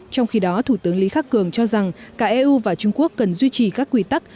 trong khi đó thủ tướng lý khắc cường cho rằng cả eu và trung quốc cần duy trì các quy tắc